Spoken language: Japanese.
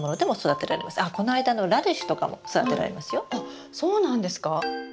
あっそうなんですか？